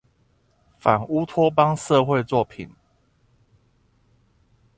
反烏托邦社會作品